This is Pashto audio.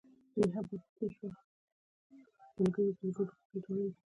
د ګاو زبان ګل د اعصابو د ارام لپاره وکاروئ